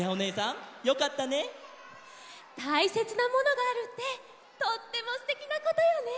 たいせつなものがあるってとってもすてきなことよね。